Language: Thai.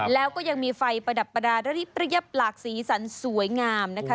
แล้วก็ยังมีไฟประดับประดาษระริบเรียบหลากสีสันสวยงามนะคะ